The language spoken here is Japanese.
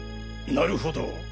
なるほど。